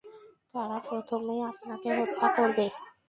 তারা প্রথমেই আপনাকে হত্যা করবে।